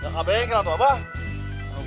kb kira kira tuh bang